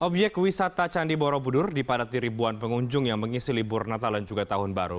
obyek wisata candi borobudur dipadati ribuan pengunjung yang mengisi libur natal dan juga tahun baru